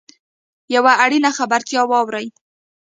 یوه اړینه خبرتیا واورﺉ .